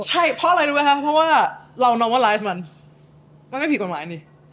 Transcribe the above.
ใช่เพราะอะไรรู้มั้ยคะเพราะว่าเรานอร์มาลไลซ์มันมันไม่มีผิดความหมายนี่